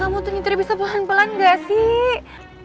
kamu tuh nyitirnya bisa pelan pelan nggak sih